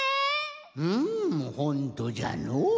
うんほんとじゃのう。